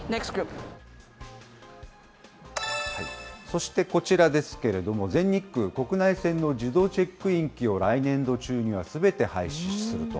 そしてこちらですけれども、全日空、国内線の自動チェックイン機を来年度中にはすべて廃止すると。